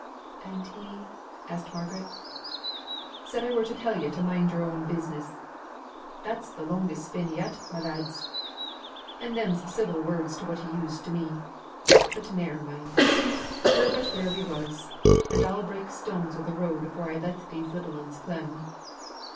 "And he ?" asked Margaret. "Said I were to tell yo' to mind yo'r own business. That's the longest spin yet, my lads. And them's civil words to what he used to me. But ne'er mind. We're but where we was; and I'll break stones on the road afore I let these little uns clem."